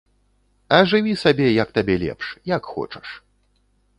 А жыві сабе, як табе лепш, як хочаш.